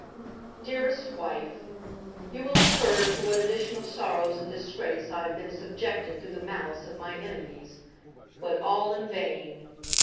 DEAREST WIFE, You will have heard to what additional sorrow and disgrace I have been subjected through the malice of my enemies. But all in vain!